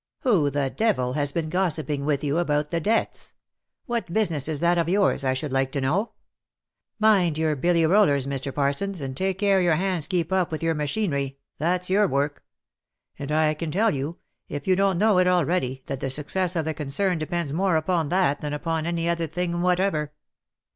" Who the devil has been gossiping with you about the debts? What business is that of yours, I should like to know ? Mind your billy rollers Mr. Parsons, and take care your hands keep up with your machinery, that's your work ;— and I can tell you, if you don't know it already, that the success of the concern depends more upon that, than upon any other thing whatever.